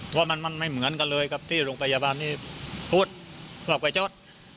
เพราะมันไม่เหมือนกันเลยกับที่โรงพยาบาลนี้พูดออกไปชด